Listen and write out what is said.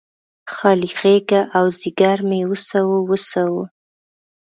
خالي غیږه او ځیګر مې وسوه، وسوه